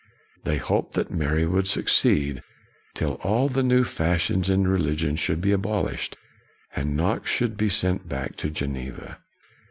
They hoped that Mary would succeed till all the new fashions in religion should be abolished, and Knox should be sent back to Geneva.